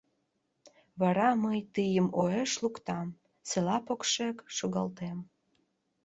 Вара мый Тыйым уэш луктам, села покшек шогалтем.